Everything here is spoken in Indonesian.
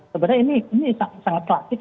sebenarnya ini sangat klasik